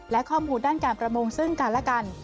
และข้อมูลด้านการประมงซึ่งกันและกัน